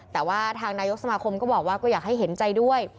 แต่ว่าทางนายกสมาคมก็บอกว่าก็อยากให้เห็นใจด้วย